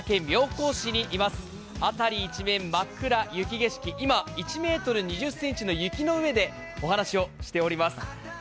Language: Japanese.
辺り一面、真っ暗雪景色、今、１ｍ２０ｃｍの雪の上でお話をしております。